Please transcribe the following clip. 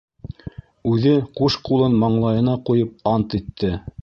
Үҙе ҡуш ҡулын маңлайына ҡуйып ант итте: